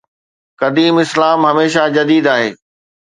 قديم اسلام هميشه جديد آهي.